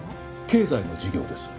経済の授業です。